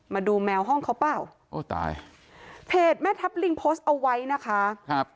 มาดูแมวห้องเขาเปล่าโอ้ตายเพจแม่ทัพลิงโพสต์เอาไว้นะคะครับ